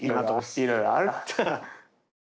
いろいろあるさ。